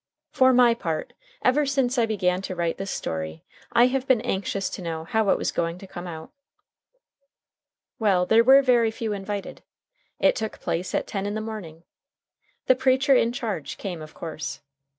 For my part, ever since I began to write this story, I have been anxious to know how it was going to come out. Well, there were very few invited. It took place at ten in the morning. The "preacher in charge" came, of course.